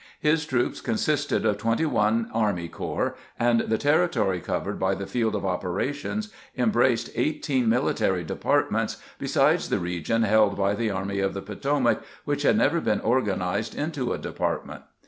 His troops consisted of twenty one army corps, and the ter ritory covered by the field of operations embraced eigh teen military departments, besides the region held by the Army of the Potomac, which had never been organ ized into a department.